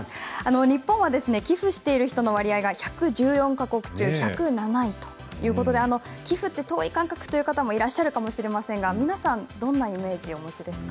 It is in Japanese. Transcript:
日本は寄付している人の割合が１１４か国中１０７位ということで寄付は遠い感覚という方もいらっしゃるかもしれませんが皆さん、どんなイメージですか。